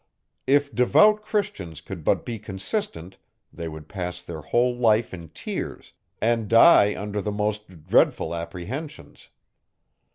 If devout Christians could but be consistent, they would pass their whole life in tears, and die under the most dreadful apprehensions.